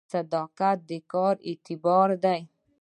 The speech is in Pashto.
صداقت د کار اعتبار دی